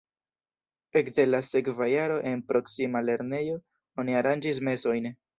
Ekde la sekva jaro en proksima lernejo oni aranĝis mesojn.